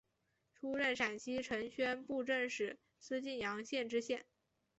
出任陕西承宣布政使司泾阳县知县。